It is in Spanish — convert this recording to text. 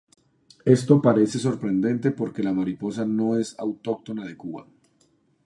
Esto parece sorprendente porque la mariposa no es autóctona de Cuba.